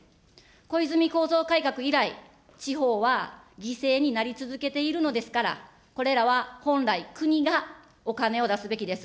小泉構造改革以来、地方は犠牲になり続けているのですから、これらは本来、国がお金を出すべきです。